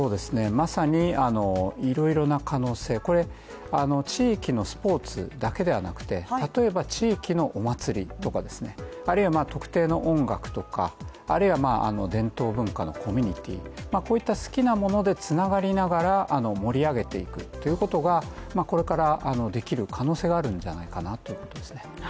まさにいろいろな可能性、地域のスポーツだけではなくて、例えば地域のお祭りとかあるいは特定の音楽とか、あるいは伝統文化のコミュニティといったつながりながら、盛り上げていくということがこれからできる可能性があるんではないかということですね。